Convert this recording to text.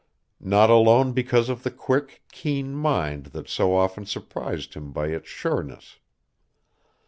Not alone because of the quick, keen mind that so often surprised him by its sureness.